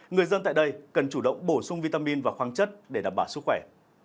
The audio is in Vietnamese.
người dân tại đây cần chủ động bổ sung vitamin và khoáng chất để đảm bảo sức khỏe